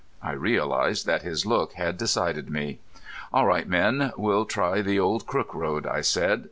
I realized that his look had decided me. "All right, men, we'll try the old Crook road," I said.